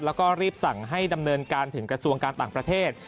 แล้วก็รีบสั่งให้ดำเนินการถึงกระทรวงการต่างประเทศ